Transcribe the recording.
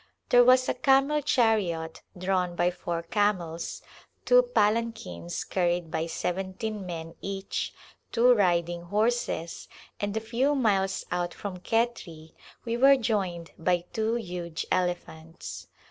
There was a camel chariot drawn by four camels, two palanquins carried by seventeen men each, two riding horses, and a i^^ miles out from Khetri we were joined by two huge elephants.